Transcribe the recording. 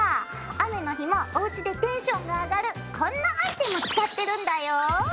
雨の日もおうちでテンションが上がるこんなアイテム使ってるんだよ！